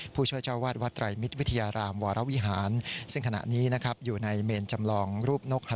ผู้ช่วยเจ้าวาดวัดไตรมิตวิทยารามวรวิหาร